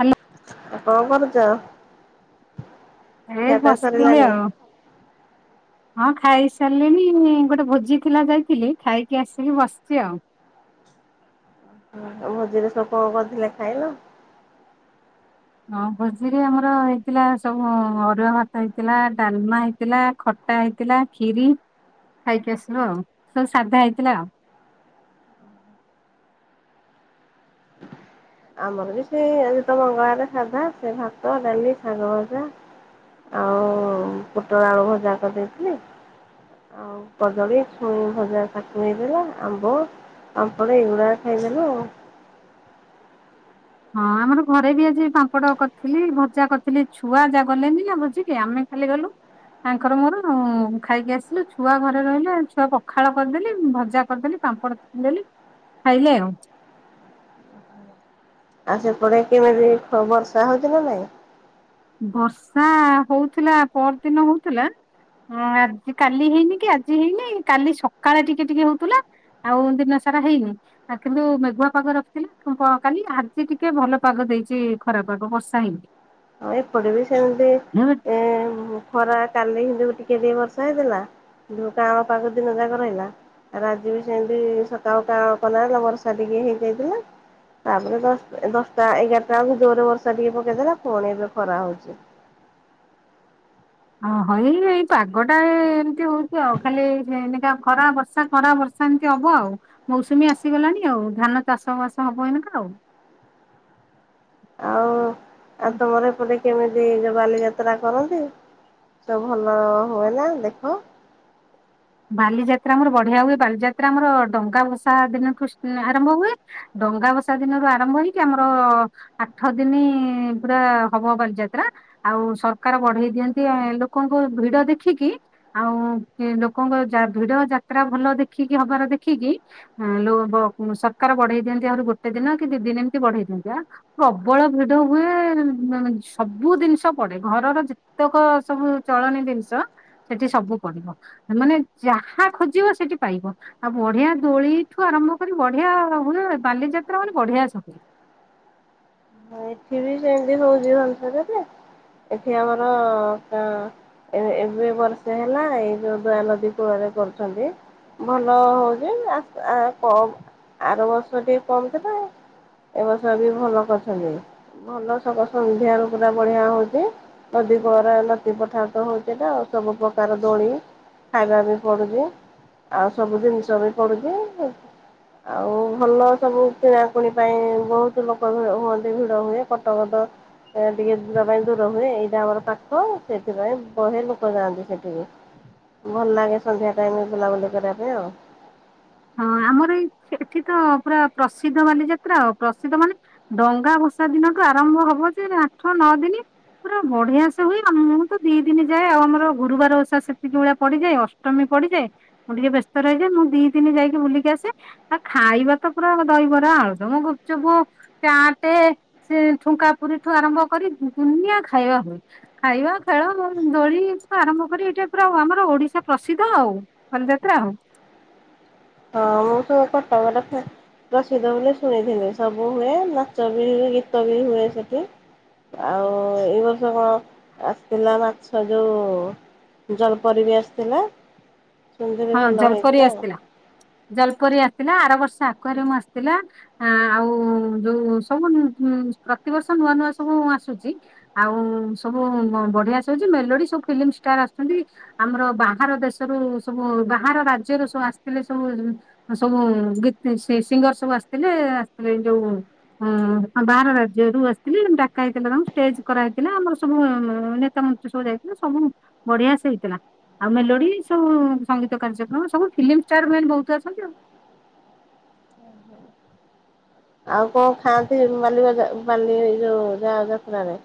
Hello. ଆଉ କଣ କରୁଚ? ଏଇ ବସିଥିଲି ଆଉ। ହଁ ଖାଇସାରିଲିଣି ଗୋଟେ ଭୋଜି ଥିଲା ଯାଇଥିଲି, ଖାଇକି ଆସିକି ବସ୍ଚି ଆଉ। ଭୋଜିରେ ସବୁ କଣ କରିଥିଲେ ଖାଇଲ? ହଁ ଭୋଜିରେ ଆମର ହେଇଥିଲା ସବୁ ଅରୁଆ ଭାତ ହେଇଥିଲା, ଡାଲମା ହେଇଥିଲା ଖ ଖଟା ହେଇଥିଲା, ଖିରି ଖାଇକି ଆସିଲୁ ଆଉ ସବୁ ସାଧା ହେଇଥିଲା ଆଉ। ଆମର ବି ସେ ଆଜି ତ ମଙ୍ଗଳବାରରେ ସାଧା ସେ ଭାତ, ଡାଲି, ଶାଗ ଭଜା ଆଉ ପୁଟଳ ଆଳୁ ଭଜା କରିଦେଇଥିଲି। ଆଉ କଦଳୀ ଛୁଇଁ ଭଜା [unintelligible] ହେଇଥିଲା ଆମ୍ବ ପାମ୍ପଡ ଏଗୁଡାକ ଖାଇଦେଲୁ ଆଉ। ହଁ ଆମର ଘରେ ବି ଆଜି ପାମ୍ପଡ କରିଥିଲି ଭଜା କରିଥିଲି, ଏ ଛୁଆ ଯା ଗଲେନି ନା ଭୋଜିକି ଆମେ ଖାଲି ଗଲୁ। ତାଙ୍କର ମୋର ଖାଇକି ଆସିଲୁ ଛୁଆ ଘରେ ରହିଲେ ଛୁଆ ପଖାଳ କରିଦେଲି ଭଜା କରିଦେଲି ପାମ୍ପଡ଼ [unintelligible] ଖାଇଲେ ଆଉ। ଆଉ ସେପଟେ କେମିତି ବର୍ଷା ହଉଚି ନା ନାଇଁ? ବର୍ଷା ହଉଥିଲା, ପର ଦିନ ହଉଥିଲା ହଁ ଆଜି କାଲି ହେଇନି କି ଆଜି ହେଇନି କାଲି ସକାଳେ ଟିକେ ଟିକେ ହଉଥିଲା ଆଉ ଦିନସାରା ହେଇନି। କିନ୍ତୁ ମେଘୁଆ ପାଗ ରଖିଥିଲା [unintelligible] କାଲି ଆଜି ଟିକେ ଭଲ ପାଗ ଦେଇଚି ଖରାପ ପାଗ ବର୍ଷା ହେଇନି। ଆ ଏପଟେ ବି ସେମ୍ତି [unintelligible] ଏଁ ଖରା କାଲି କିନ୍ତୁ ଟିକେ-ଟିକେ ବର୍ଷା ହେଇଥେଲା। [unintelligible] ଆମ ପାଖ ଦିନ ଯାକ ରହିଲା। [unintelligible] ଆଜି ବି ସେମିତି ସକାଳୁ [unintelligible] ବର୍ଷା ଟିକେ ହେଇଯାଇଥିଲା। ତାପରେ ଦଶ୍ ଦଶଟା ଏଗାରଟା ବେଳୁକୁ ଜୋରେ ବର୍ଷା ଟିକେ ପକେଇଦେଲା ପୁଣି ଏବେ ଖରା ହଉଚି। ଅ ହ ଏଇ-ଏଇ ପାଗ ଟା ଏମ୍ତି ହଉଚି ଆଉ, ଖାଲି [unintelligible] ଖରା ବର୍ଷା ଖରା ବର୍ଷା ସେମ୍ତି ହବ ଆଉ, ମୌସୁମୀ ଆସିଗଲାଣି ଆଉ ଧାନ ଚାଷ ବାସ ହବ ଏଇନାକା ଆଉ। ଆଉ-ଆଉ ତମର ଏପଟେ କେମିତି ଏ ଯୋଉ ବାଲିଯାତ୍ରା କରନ୍ତି, ସବୁ ଭଲ ହୁଏନା ଦେଖ? ବାଲିଯାତ୍ରା ଆମର ବଢିଆ ହୁଏ, ବାଲିଯାତ୍ରା ଆମର ଡଙ୍ଗା ଭସା ଦିନଠୁ ଆରମ୍ଭ ହୁଏ ଡଙ୍ଗା ଭସା ଦିନରୁ ଆରମ୍ଭ ହେଇକି ଆମର ଆଠ ଦିନି ପୁରା ହବ ବାଲିଯାତ୍ରା। ଆଉ ସରକାର ବଢେଇ ଦିଅନ୍ତି ଲୋକଙ୍କୁ ଭିଡ ଦେଖିକି, ଆଉ କି ଲୋ କଙ୍କ ଯା ଭିଡ ଯାତ୍ରା ଭଲ ଦେଖିକି ହବାର ଦେଖିକି ହୁଁ ଲୋ ବ ସରକାର ବଢେଇ ଦିଅନ୍ତି ଆହୁରି ଗୋଟେ ଦିନ କି ଦି ଦିନ୍ ଏମ୍ତି ବଢେଇ ଦିଅନ୍ତି, ଆ ପ୍ରବଳ ଭିଡ ହୁଏ ସବୁ ଦିନିଷ ପଡେ, ଘରର ଯେ ଯେତେକ ସବୁ ଚଳନୀ ଜିନିଷ ସେଠି ସବୁ ପଡିବ। ମାନେ ଯାହା ଖୋଜିବ ସେଠି ପାଇବ। ଆଉ ବଢିଆ ଦୋଳିଠୁ ଆରମ୍ଭ କରି ବଢିଆ ହଏ, ବାଲିଯାତ୍ରା ମାନେ ବଢିଆ ସବୁ। ଏଠି ବି ସେମ୍ତି ହଉଚି ଭୋନସରରେ, ଏଠି ଆମର କ ଏ ଏବେ ବର୍ଷେ ହେଲା ଏଇ ଯୋଉ ଦୟା ନଦୀ କୂଳରେ କରୁଚନ୍ତି। ଭଲ ହଉଛି [unintelligible] ଆର ବର୍ଷ ଟିକେ କମ ଥିଲା। ଏ ବର୍ଷ ବି ଭଲ କରିଛନ୍ତି ଭଲ ସେ ସନ୍ଧ୍ୟାରେ ପୁରା ବଢିଆ ହଉଛି। ନଦୀ ପରା ନଦୀ ପଠାରେ ତ ହଉଛି ଏଟା ସବୁ ପ୍ରକାର ଦୋଳି, ଖାଇବା ବି ପଡୁଛି, ଆଉ ସବୁ ଜିନିଷ ବି ପଡୁଛି। ଆଉ ଭଲ ସବୁ କିଣା କୁଣି ପାଇଁ ବହୁତ ଲୋକ ହୁଅନ୍ତି ଭିଡ। ହୁଏ କଟ କଟ ଟିକେ ଯିବା ପାଇଁ ଦୂର ହୁଏ ଏଇଟା ଆମର ପାଖ ସେଥିପାଇଁ ବହେ ଲୋକ ଯାଆନ୍ତି ସେଠିକି। ଭଲ ଲାଗେ ସନ୍ଧ୍ୟା ଟାଇମରେ ବୁଲାବୁଲି କରିବା ପାଇଁ ଆଉ। ହଁ ଆମର ଏଇ ଏଠି ତ ପୁରା ପ୍ରସିଦ୍ଧ ବାଲିଯାତ୍ରା ଆଉ ପ୍ରସିଦ୍ଧ ମାନେ ଡଙ୍ଗା ଭସା ଦିନଠୁ ଆରମ୍ଭ ହବ ଯେ ଆଠ ନଅ ଦିନ। ପୁରା ବଢିଆ ସେ ହୁଏ ଆମ ମୁଁ ତ ଦି ଦିନ ଯାଏ ଆମର ଗୁରୁବାର ଓଷା ସେତିକ ବେଳେ ପଡିଯାଏ ଆଉ। ଅଷ୍ଟମୀ ପଡିଯାଏ ମୁଁ ଟିକେ ବ୍ୟସ୍ତ ରହିଯାଏ ମୁଁ ଦି ଦିନି ଯାଇକି ବୁଲିକି ଆସେ। ଆ ଖାଇବା ତ ପୁରା ଦହିବରା, ଆଳୁଦମ, ଗୁପଚୁପ। ଚାଟେ, ସେ ଠୁଙ୍କା ପୁରୀଠୁ ଆରମ୍ଭ କରି ଦୁନିଆ ଖାଇବା ହୁଏ। ଖାଇବା, ଖେଳ, ଦୋଳିଠୁ ଆରମ୍ଭ କରି ଏଇଟା ପୁରା ଆମର ଓଡିଶା ପ୍ରସିଦ୍ଧ ଆଉ। ବାଲିଯାତ୍ରା ଆଉ। ହଁ, ମୁଁ ତ କଟକରେ ଫେର। ପ୍ରସିଦ୍ଧ ବୋଲି ଶୁଣିଥିଲି ସବୁ ହୁଏ, ନାଚ ବି ହୁଏ, ଗୀତ ବି ହୁଏ ସେଠି। ଆଉ ଏଇ ବର୍ଷ କଣ ଆସିଥିଲା ମାଛ ଯଉ ଜଲପରି ବି ଆସିଥିଲା, ସେମିତିବି ହଁ ଭଲ ଜଲପରି ହେଇଥିଲା ଆଉ। ଆସିଥିଲା। ଜଲପରି ଆସିିଲା ଆର ବର୍ଷ ଆକୁଆରିୟମ ଆସିଥିଲା। ଆ ଆଉ ଯୋଉ ସବୁ ପ୍ରତିବର୍ଷ ନୂଆ ନୂଆ ସବୁ ଆସୁଛି। ଆଉ ସବୁ ବଢିଆସେ ହୋଉଛି ମେଲୋଡି ସବୁ ଫିଲ୍ମ ଷ୍ଟାର ଆସିଛନ୍ତି। ଆମର ବାହାର ଦେଶରୁ ସବୁ ବାହାର ରାଜ୍ୟରୁ ସବୁ ଆସିଥିଲେ ସବୁ ସବୁ ଗି ସିଙ୍ଗର ସବୁ ଆସିଥିଲେ ଆସିଥିଲେ ଯୋଉ, ହଁ ବାହାର ରାଜ୍ୟରୁ ଆସିଥିଲେ ଡାକା ହେଇଥିଲା ତାଙ୍କୁ ଷ୍ଟେଜ କରାହେଇଥିଲା ଆମର ସବୁ ଉଁ ଉଁ ମାନେ ନେତା ମନ୍ତ୍ରୀ ସବୁ ଯାଇଥିଲା, ସବୁ ବଢିଆ ସେ ହେଇଥିଲା ଆଉ ମେଲୋଡି ସବୁ ସଙ୍ଗୀତ କାର୍ଯ୍ୟକ୍ରମ ସବୁ ଫିଲ୍ମ ଷ୍ଟାର ମାନେ ବହୁତ ଆସନ୍ତି ଆଉ। [inaudible] ଆଉ କଣ ଖାଆନ୍ତି ବା ବାଲି ଯୋଉ ଯା ଯାତ୍ରାରେ?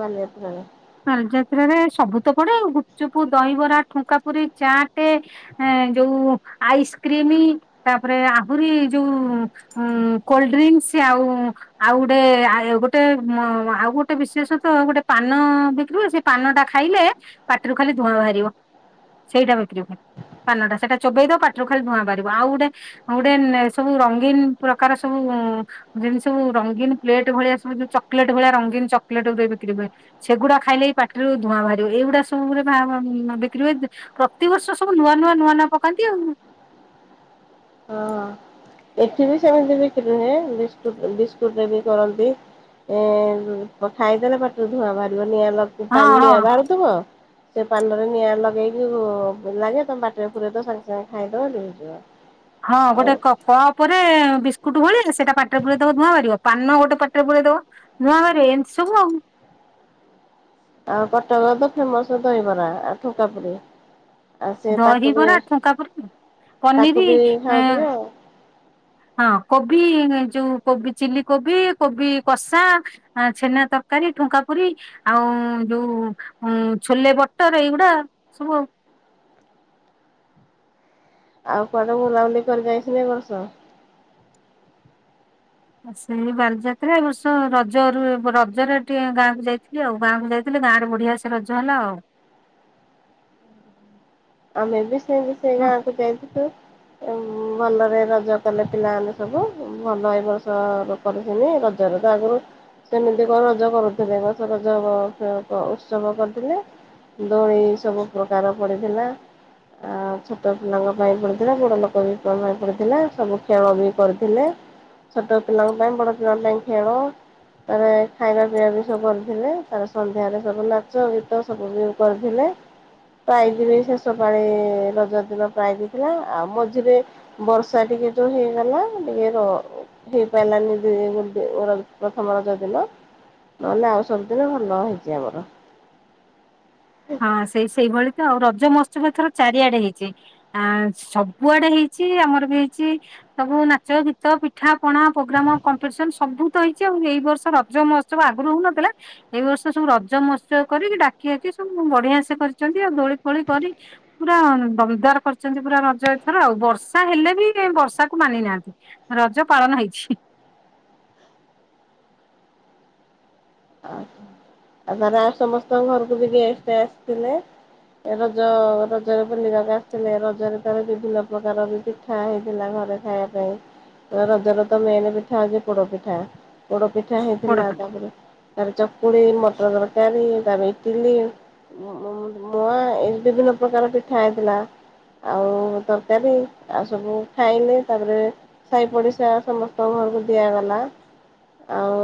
ବାଲିଯାତ୍ରାରେ ବାଲିଯାତ୍ରାରେ ସବୁ ତ ପଡେ ଗୁପଚୁପ୍, ଦହିବରା ଠୁଙ୍କାପୁୁରୀ, ଚାଟେ ଏ ଯୋଉ ଆଇସ୍କ୍ରିମ ତାପରେ ଆହୁରି ଯୋଉ ଉ କୋଲଡ୍ରିଙ୍କସ୍ ଆଉ ଆଉ ଗୋଟେ ଗୋଟେ ଆଉ ଗୋଟେ ବିଶେଷତ ଗୋଟେ ପାନ ବିକ୍ରିହୁଏ ସେ ପାନଟା ଖାଇଲେ ପାଟିରୁ ଖାଲି ଧୂଆଁ ବାହାରିବ ସେଇଟା ବିକ୍ରି ହୁଏ। ପାନଟା ସେଇଟା ଚୋବେଇଦବ ପାଟିରୁ ଖାଲି ଧୂଆଁ ବାହାରିବ ଆଉ ଗୋଟେ ଆଉ ଗୋଟେ ସବୁ ରଙ୍ଗୀନ ପ୍ରକାର ସବୁ ଯେମିତି ସବୁ ରଙ୍ଗୀନ ପ୍ଲେଟ୍ ଭଳିଆ ସବୁ ଚକଲେଟ୍ ଭଳିଆ ରଙ୍ଗୀନ ଚକଲେଟ ଯୋଉ ବିକ୍ରି ହଏ ସେଗୁଡାକ ଖାଇଲେ ପାଟିରୁ ଧୂଆଁ ବାହାରିବ ଏଇଗୁଡା ସବୁରେ ବା ବିକ୍ରି ହୁଏ। ପ୍ରତିିବର୍ଷ ସବୁ ନୂଆ ନୂଆ ନୂଆ ନୂଆ ପକାନ୍ତିଆଉ। ହଁ ଏଠି ବି ସେମିତି ବିକ୍ରି ହୁଏ ବିସ୍କୁଟ ବିସ୍କୁଟରେ ବି କରନ୍ତି। ଏ ଖାଇଦେଲେ ପାଟରୁ ଧୂଆଁ ବାହାରିବ ନିଆଁ ଲ ହଁ ପାନରୁ ହଁ। ନିଆଁ ବାହାରୁଥିବ। ସେ ପାନରେ ନିଆଁ ଲଗେଇକି ଲାଗେ ତମ ପାଟିରେ ପୁରେଇଦବ ସାଙ୍ଗେ ସାଙ୍ଗେ ଖାଇଦବ ଲିଭିଯିବ। ହଁ ଆଉ ଗୋଟେ କ କପ ରେ ବିସ୍କୁଟ ଭଳିଆ ସେଇଟା ପାଟିରେ ପୁରେଇ ଦବ ଧୂଆ ବାହାରିବ। ପାନ ଗୋଟେ ପାଟିରେ ପୁରେଇ ଦବ ଧୂଆଁ ବାହାରିବ ଏମିତି ସବୁ ଆଉ। ଆଉ କଟକ ରେ ତ ଫେମୋସ ଦହିବରା ଆଉ ଠୁଙ୍କା ପୁୁରି। ଆଉ ସେ ତାକୁ ବି ଦହିବରା ଠୁଙ୍କା ପୁରି ତାକୁ ବି ପନିର ଖାଉଥିବେ ଆଉ। ହଁ କୋବି ଯୋଉ କୋବି ଚିଲିକୋବି କୋବି କଷା। ଆ ଛେନା ତରକାରୀ ଠୁଙ୍କା ପୁରି। ଆଉ ଯୋଉ ଛୋଲେ ବଟର ଏଇଗୁଡା ସବୁ ଆଉ। ଆଉ କୁଆଡେ ବୁଲାବୁଲି କରି ଯାଇଛନ୍ତି ଏ ବର୍ଷ? ଆ ସେଇ ବାଲିଯାତ୍ରା ଏ ବର୍ଷ ରଜରୁ ରଜରେ ଟିକେ ଗାଁକୁ ଯାଇଥିଲି ଆଉ ଗାଁକୁ ଯାଇ ହେଲେ ଗାଁରେ ବଢିଆ ସେ ରଜ ହେଲା ଆଉ। ଆମେ ବି ସେମତି ସେ ଗାଁ କୁ ଯାଇଥିଲୁ। ଭଲରେ ରଜ କଲେ ପିଲାମାନେ ସବୁ ଭଲ ଏ ବର୍ଷ କରୁଥିନି ରଜ ରେ ତ ଆଗରୁ ସେମିତି କଣ ରଜ କରୁଥିବେ ଏ ବର୍ଷ ରଜ ଅ ଅ ଅ ଉତ୍ସବ କରିଥିଲେ। ଦୋଳି ସବୁ ପ୍ରକାର ପଡ଼ିଥିଲା। ଆ ଛୋଟ ପିଲାଙ୍କ ପାଇଁ ପଡିଥିଲା, ବଡ ଲୋକ ବି ପାଇଁ ପଡିଥିଲା, ସବୁ ଖେଳ ବି କରିଥିଲେ। ଛୋତ ପିଲାଙ୍କ ପାଇଁ ବଡ ପିଲାଙ୍କ ପାଇଁ ଖେଳ। ତାପରେ ଖାଇବା ପିଇବା ବି ସବୁ କରିଥିଲେ ତାପରେ ସନ୍ଧ୍ୟାରେ ସବୁ ନାଚ ଗୀତ ସବୁ ବି କରିଥିଲେ ପ୍ରାଇଜ ବି ସେ ଶେଷ ପାଳି ରଜ ଦିନ ପ୍ରାଇଜ ଥିଲା ଆଉ ମଝିରେ ବର୍ଷା ଟିକେ ଯୋଉ ହେଇଗଲା ଟିକେ ର ହେଇ ପାଇିଲାନି [unintelligible] ମୋର ପ୍ରଥମ ରଜ ଦିନ। ନହେଲେ ଆଉ ସବୁଦିନ ଭଲ ହେଇଛି ଆମର। ହଁ ସେଇ ସେଇଭଳି ତ ଆଉ ରଜ ମହତ୍ସବ ଏଥର ଚାରିଆଡେ ହେଇଛି। ଆଁ ସବୁଆଡେ ହେଇଛି ଆମର ବି ହେଇଛି। ସବୁ ନାଚ ଗୀତ ପିଠା ପଣା ପୋଗ୍ରାମ କମ୍ପିଟିସନ ସବୁ ତ ହେଇଛି ଆଉ ଏଇ ବର୍ଷ ରଜ ମହ ସବୁ ଆଗରୁ ହଉନଥିଲା ଏଇ ବର୍ଷ ସବୁ ରଜ ମହୋତ୍ସବ କରିକି ଡାକି ଆକି ଉଁ ବଢିଆ ସେ କରିଛନ୍ତି ଆଉ ଦୋଳି ଫୋଳି କରି ପୁରା ଦମଦାର କରିଛନ୍ତି ପୁରା ରଜର ଏ ଥର ଆଉ ବର୍ଷା ହେଲେ ବି ବର୍ଷାକୁ ମାନି ନାହାନ୍ତି। ରଜ ପାଳନ ହେଇଛି। ଆ ଆଉ ତାର ଆଉ ସମସ୍ତଙ୍କ ଘରକୁ ବି ଗେଷ୍ଟ୍ ଆସିଥିଲେ। ଏ ରଜ ରଜରେ ବୁଲିବାକେ ଆସଥିଲେ ରଜରେ ତା ପରେ ବିଭିନ୍ନ ପ୍ରକାର ବି ପିଠା ହେଇଥିଲା ଘରେ ଖାଇବା ପାଇଁ। ରଜର ତ ମେନ ପିଠା ହଉଛି ପୋଡ ପିଠା ପୋଡ ପିଠା ବଡ ହେଇଥିଲା। ପିଠା ତାପରେ ତାପରେ ଚକୁଳି, ମଟର ତରକାରୀ, ତାପରେ ଇଟିଲି। ମ ମ ମ ମୁଆଁ ଏମିତି ବିଭିନ୍ନ ପ୍ରକାର ପିଠା ହେଇଥିଲା। ଆଉ ତରକାରୀ ଆଉ ସବୁ ଖାଇଲେ ତାପରେ ସାହି ପଡିଶା ସମସ୍ତଙ୍କ ଘରକୁ ଦିଆଗଲା ଆଉ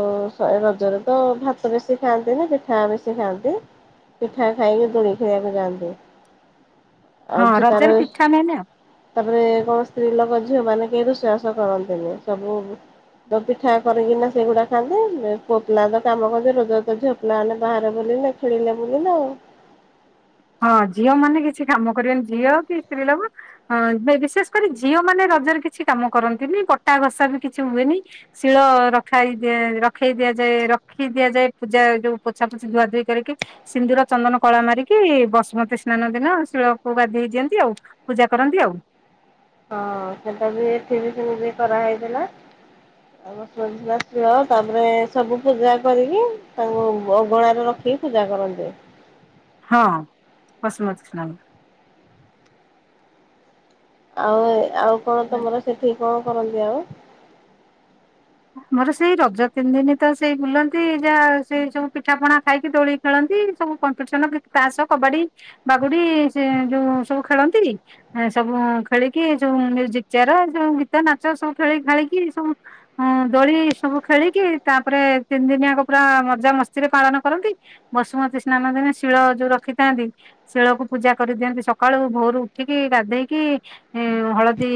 ଏ ରଜରେ ତ ଭାତ ବେଶୀ ଖାଆନ୍ତିନି ପିଠା ବେଶୀ ଖାଆନ୍ତି। ପିଠା ଖାଇକି ଦୋଳି ଖେଳିବାକୁ ଯାଆନ୍ତି ହଁ ଆଉ ଯେ ରଜରେ ତାର ପିଠା ମେନ୍ ଆଉ। ତାପରେ କଣ ସ୍ତ୍ରୀ ଲୋକ ଝିଅ ମାନେ କେହି ରୋଷେଇବାସ କରନ୍ତିନି ସବୁ ତ ପିଠା କରିକିନା ସେଗୁଡା ଖାଆନ୍ତି ପୋ ପିଲା ତ କାମ କରୁଚି ରୋଜଗାର କରୁଛି ଆଉ ପିଲାମାନେ ତ ବାହାରେ ବୁଲିଲେ ଖେଳିଲେ ବୁଲିଲେ ଆଉ। ହଁ ଝିଅ ମାନେ କିଛି କାମ କରିବେନି, ଝିଅ କି ସ୍ତ୍ରୀ ଲୋକ ହଁ ବିଶେଷ କରି ଝିଅ ମାନେ ରଜରେ କିଛି କାମ କରନ୍ତିନି, ପଟା ଘଷା ବି କିଛି ହୁଏନି। ଶିଳ ରଖାଇ ଦିଆ ରଖେଇ ଦିଆଯାଏ ରଖି ଦିଆଯାଏ ପୂଜା ଯୋଉ ପୋଛା ପୋଛି ଧୁଆ ଧୁଇ କରିକି। ସିନ୍ଦୁର, ଚନ୍ଦନ, କଳା ମାରି କି, ବସୁମତୀ ସ୍ନାନ ଦିନ ଶିଳକୁ ଗାଧେଇ ଦିଅନ୍ତି ଆଉ ପୂଜା କରନ୍ତି ଆଉ। ହଁ ସେଟା ବି ଏଠି ବି ସେମିତି କରାହେଇଥିଲା, ଆଉ [unintelligible] ତାପରେ ସବୁ ପୂଜା କରିକି ତାଙ୍କୁ ଅଗଣାରେ ରଖିକି ପୂଜା କରନ୍ତି। ହଁ ବସୁମତିସ୍ନା। [unintelligible] ଆଉ କଣ ତମର ସେଠି କଣ କରନ୍ତି ଆଉ? ମୋର ସେଇ ରଜ ତିନି ଦିନି ତ ସେଇ ବୁଲନ୍ତି ଯାହା ସେଇ ସବୁ ପିଠା ପଣା ଖାଇକି ଦୋଳି ଖେଳନ୍ତି ସବୁ କମ୍ପିଟିସନନ୍ ତାଷ, କବାଡି, ବାଗୁଡି ସେ ଯୋଉ ସବୁ ଖେଳନ୍ତି। ସବୁ ଖେଳିକି ଏ ଯୋଉ ମ୍ୟୁଜିକ୍ ଚ୍ୟାର ଏ ସବୁ ଗୀତ ନାଚ ସବୁ ଖେଳି ଖାଳିକି ସବୁ ହଁ ଦୋଳି ସବୁ ଖେଳିକି ତାପରେ ତିନି ଦିନିଆକ ପୁରା ମଜା ମସ୍ତିରେ ପାଳନ କରନ୍ତି। ବସୁମତୀ ସ୍ନାନ ଦିନ ଶିଳ ଯୋଉ ରଖିଥାନ୍ତି ଶିଳକୁ ପୂଜା କରିଦିଅନ୍ତି ସକାଳୁ ଭୋରୁ ଉଠିକି ଗାଧେଇକି ହୁଁ ହଳଦୀ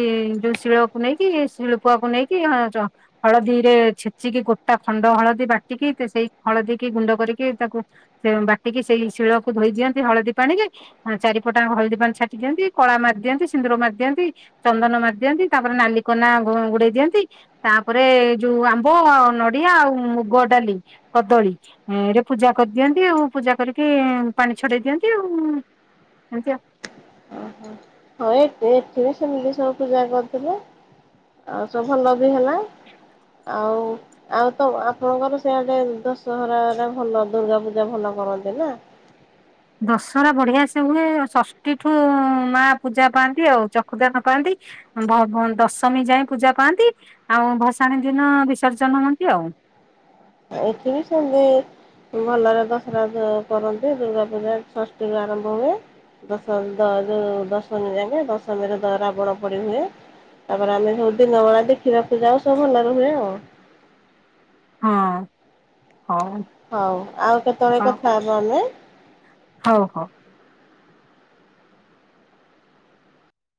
ଯୋଉ ଶିଳକୁ ନେଇକି ଶିଳପୁଆକୁ ନେଇକି ଜ ହଳଦୀ ରେ ଛେଚିକି ଗୋଟା ଖଣ୍ଡ ହଳଦୀ ବାଟିକି ସେଇ ହଳଦୀ କି ଗୁଣ୍ଡ କରିକି ତାକୁ ସେ ବାଟିକି ସେଇ ଶିଳକୁ ଧୋଇ ଦିଅନ୍ତି ହଳଦୀ ପାଣିରେ ହ ଚାରିପଟାଙ୍କ ହଳଦୀ ପାଣି ଛାଟି ଦିଅନ୍ତି କଳା ମାରି ଦିଅନ୍ତି ସିନ୍ଦୁର ମାରି ଦିଅନ୍ତି ଚନ୍ଦନ ମାରି ଦିଅନ୍ତି ତାପରେ ନାଲି କନା ଗୁଡେଇ ଦିଅନ୍ତି ପରେ ଯୋଉ ଆମ୍ବ ନଡିଆ ଆଉ ମୁଗ ଡାଲି କଦଳୀ ଏରେ ପୂଜା କରିଦିଅନ୍ତି ଆଉ ପୂଜା କରିକି ପାଣି ଛଡେଇ ଦିଅନ୍ତି ଆଉ। ଆ [unintelligible] ହଏ ଏଠି ବି ସେମିତି ସବୁ ପୂଜା କରିିଥିଲେ ଆଉ ସବୁ ଭଲ ବି ହେଲା। ହଉ। ଆଉ ତ ଆପଣଙ୍କର ସେଆଡେ ଦଶହରାରେ ଭଲ ଦୁର୍ଗା ପୂଜା ଭଲ କରନ୍ତି ନା? ଦଶହରା ବଢିଆ ସେ ହୁଏ ଷଷ୍ଠୀ ଠୁ ମା ପୂଜା ପାଆନ୍ତି ଆଉ ଚଖୁଦାନ ପାଆନ୍ତି ଭ-ଭ ଦଶମୀ ଯାଏ ପୂଜା ପାଆନ୍ତି ଆଉ ଭସାଣି ଦିନ ବିସର୍ଜନ ହୁଅନ୍ତି ଆଉ। ଏଠି ବି ସେମିତି ଭଲରେ ଦଶହରା କରନ୍ତି ଦୁର୍ଗା ପୂଜା ଷଷ୍ଠୀରୁ ଆରମ୍ଭ ହୁଏ। ଦଶ ଦ ଯୋଉ ଦଶମୀ ଯାକେ ଦଶମୀରେ ରାବଣ ପୋଡି ହୁଏ। ତାପରେ ଆମେ ସବୁ ଦିନ ବେଳା ଦେଖିବାକୁ ଯାଉ ସବୁ ଭଲରେ ହୁଏ ଆଉ। ହଁ ହଉ। ହଉ ଆଉ କେତବେଳେ ହଉ କଥା ହବ ଆମେ। ହଉ [unintelligible]